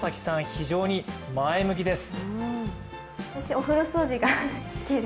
非常に前向きです。